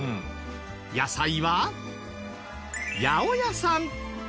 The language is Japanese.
野菜は八百屋さん。